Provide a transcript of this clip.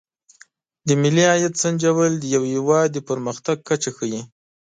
د ملي عاید سنجول د یو هېواد د پرمختګ کچه ښيي.